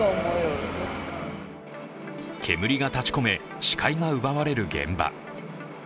煙が立ち込め、視界が奪われる現場。